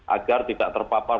agar tidak terbatas